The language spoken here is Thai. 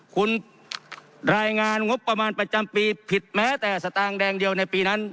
คุณรายงานงบประมาณประจำปีผิดแม้แต่สตางค์แดงเดียวในปีนั้น